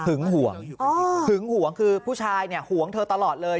ห่วงหึงห่วงคือผู้ชายเนี่ยห่วงเธอตลอดเลย